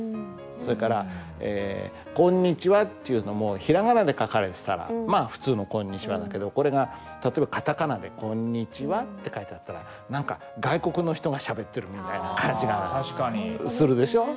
それからえ「こんにちは」っていうのもひらがなで書かれてたらまあ普通の「こんにちは」だけどこれが例えばカタカナで「コンニチハ」って書いてあったら何か外国の人がしゃべってるみたいな感じがするでしょう？